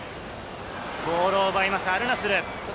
ボールを奪いますアルナスル。